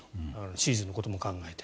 シーズンのことも考えて。